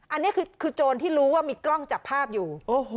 อันนี้คือโจรที่รู้ว่ามีกล้องจับภาพอยู่